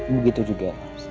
begitu juga harus